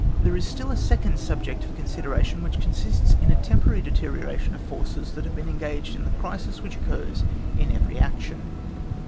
There is still a second subject for consideration, which consists in a tempo rary deterioration of forces that have been engaged in the crisis which occurs in every action.